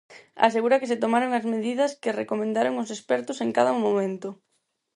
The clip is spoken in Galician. Asegura que se tomaron as medidas que recomendaron os expertos, en cada momento.